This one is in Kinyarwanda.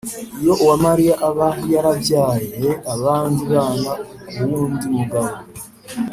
iyo uwamariya aba yarabyaye abandi bana k’uwundi mugabo,